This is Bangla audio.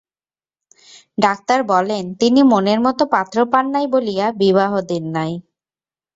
ডাক্তার বলেন, তিনি মনের মতো পাত্র পান নাই বলিয়া বিবাহ দেন নাই।